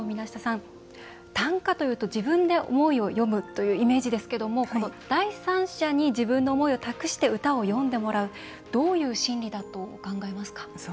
短歌というと、自分で思いを詠むというイメージですが第三者に自分の思いを託して歌を詠んでもらうどういう心理だと考えますか？